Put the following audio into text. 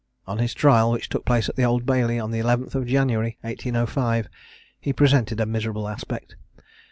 On his trial, which took place at the Old Bailey on the 11th of January, 1805, he presented a miserable aspect.